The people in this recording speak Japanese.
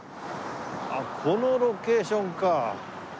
このロケーションか。